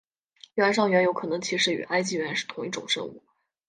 原上猿有可能其实与埃及猿是同一种生物。